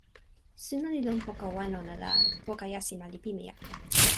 suno li lon poka wan ona la, poka jasima li pimeja.